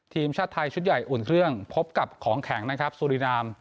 ทีมชาติไทยชุดใหญ่อุ่นเครื่องพบกับของแข็งนะครับสุรินาม